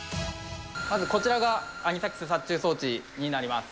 まずこちらが、アニサキス殺虫装置になります。